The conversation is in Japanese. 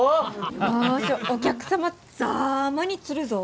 よしお客様ざぁまに釣るぞぉ！